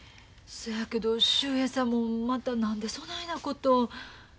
そやけど秀平さんもまた何でそないなことを。